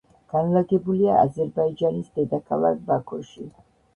განლაგებულია აზერბაიჯანის დედაქალაქ ბაქოში.